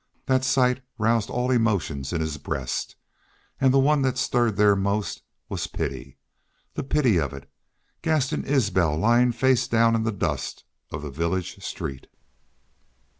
That sight roused all emotions in his breast, and the one that stirred there most was pity. The pity of it! Gaston Isbel lying face down in the dust of the village street!